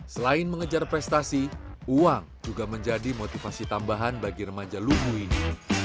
selain mengejar prestasi uang juga menjadi motivasi tambahan bagi remaja lungu ini